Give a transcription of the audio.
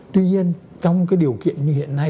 tuy nhiên trong cái điều kiện như hiện nay